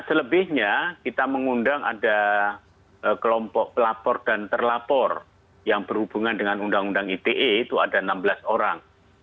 selebihnya kita mengundang ada kelompok pelapor dan terlapor yang berhubungan dengan undang undang ite itu ada enam belas orang